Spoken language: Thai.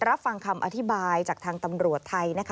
รับฟังคำอธิบายจากทางตำรวจไทยนะคะ